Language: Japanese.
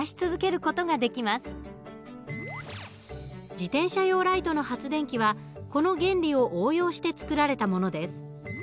自転車用ライトの発電機はこの原理を応用して作られたものです。